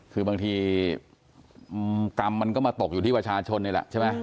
คือบางทีกรรมมันก็มาตกอยู่ที่ประชาชนนี่แหละใช่ไหม